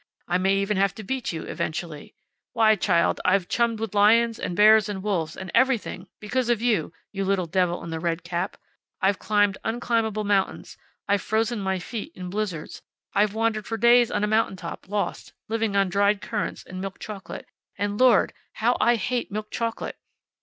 I may even have to beat you, eventually. Why, child, I've chummed with lions, and bears, and wolves, and everything, because of you, you little devil in the red cap! I've climbed unclimbable mountains. I've frozen my feet in blizzards. I've wandered for days on a mountain top, lost, living on dried currants and milk chocolate, and Lord! how I hate milk chocolate!